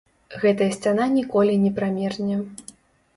Гэтая сцяна ніколі не прамерзне!